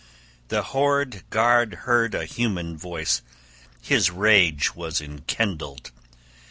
The hoard guard heard a human voice; his rage was enkindled.